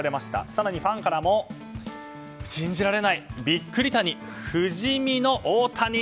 更にファンからも信じられない、びっくり谷不死身の大谷！